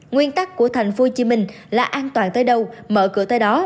nguyên tắc của tp hcm là an toàn tới đâu mở cửa tới đó